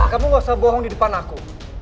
kamu gak usah bohong di depan aku